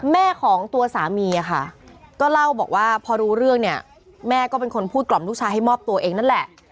แม่ของตัวสามีค่ะก็เล่าบอกว่าพอรู้เรื่องเนี่ยแม่ก็เป็นคนพูดกล่อมลูกชายให้มอบตัวเองนั่นแหละ